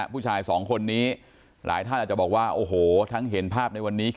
ผู้ชายสองคนนี้หลายท่านอาจจะบอกว่าโอ้โหทั้งเห็นภาพในวันนี้